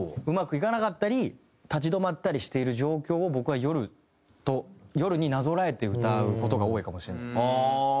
うまくいかなかったり立ち止まったりしている状況を僕は「夜」と夜になぞらえて歌う事が多いかもしれないです。